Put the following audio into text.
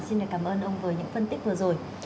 xin được cảm ơn ông với những phân tích vừa rồi